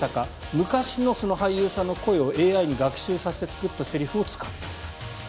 昔の俳優さんの声をＡＩに学習させて作ったセリフを使った。